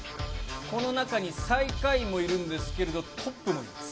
この中に最下位もいるんですけど、トップもいます。